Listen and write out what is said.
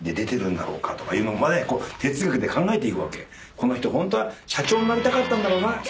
この人ホントは社長になりたかったんだろうな。